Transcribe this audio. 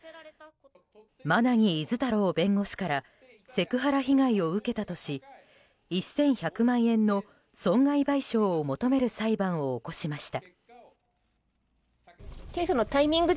馬奈木厳太郎弁護士からセクハラ被害を受けたとし１１００万円の損害賠償を求める裁判を起こしました。